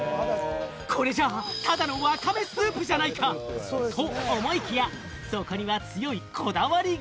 これじゃあ、ただのわかめスープじゃないか！と思いきや、そこには強いこだわりが。